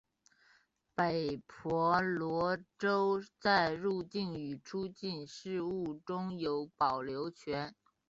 北婆罗洲在入境与出境事务中有保留权。